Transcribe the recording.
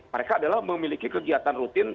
mereka adalah memiliki kegiatan rutin